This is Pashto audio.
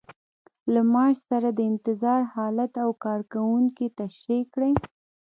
له معاش سره د انتظار حالت او کارکوونکي تشریح کړئ.